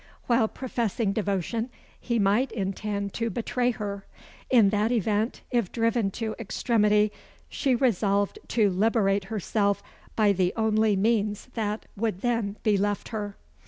While professing devotion, he might intend to betray her. In that event, if driven to extremity, she resolved to liberate herself by the only means that would then be left her.